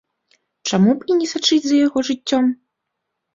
Чаму б і не сачыць за яго жыццём?